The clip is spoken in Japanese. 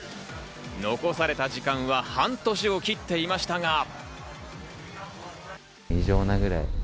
残された時間は半年を切っていましたが。